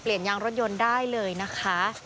เปลี่ยนยางรถยนต์ได้เลยนะคะ